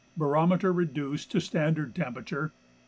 40° Barometer reduced to standard temperature